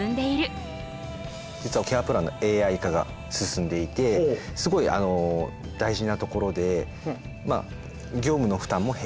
実はケアプランのＡＩ化が進んでいてすごい大事なところで業務の負担も減ると。